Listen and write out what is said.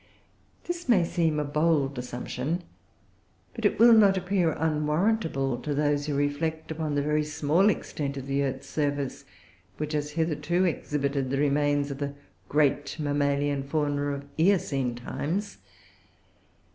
This may seem a bold assumption, but it will not appear unwarrantable to those who reflect upon the very small extent of the earth's surface which has hitherto exhibited the remains of the great Mammalian fauna of the Eocene times.